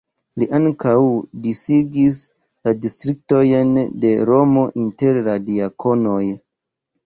Li ankaŭ disigis la distriktojn de Romo inter la diakonoj.